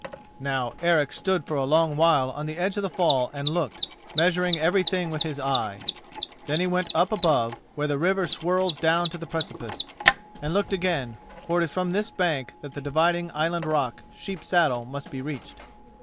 Now Eric stood for a long while on the edge of the fall and looked, measuring every thing with his eye. Then he went up above, where the river swirls down to the precipice, and looked again, for it is from this bank that the dividing island rock Sheep saddle must be reached.